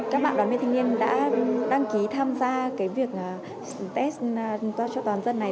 các bạn đoàn viên thanh niên đã đăng ký tham gia việc tập huấn tết cho toàn dân này